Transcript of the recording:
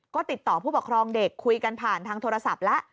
ก็ติดต่อผู้ปกครองเด็กคุยกันผ่านทางโทรศัพท์แล้ว